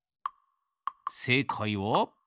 せいかいは。